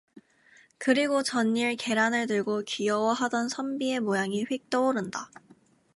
그리고 전일 계란을 들고 귀여워하던 선비의 모양이 휙 떠오른다.